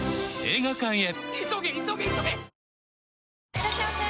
いらっしゃいませ！